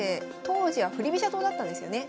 当時は振り飛車党だったんですよね。